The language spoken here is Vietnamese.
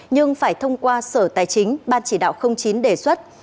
nhưng phải thông qua sở tài chính ban chỉ đạo chín đề xuất